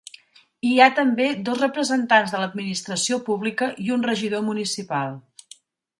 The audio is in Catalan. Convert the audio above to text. Hi ha també dos representants de l’administració pública i un regidor municipal.